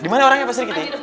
di mana orangnya pak sri kiti